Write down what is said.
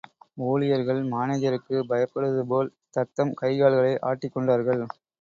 ஊழியர்கள், மானேஜருக்குப் பயப்படுவதுபோல், தத்தம் கைகால்களை ஆட்டிக் கொண்டார்கள்.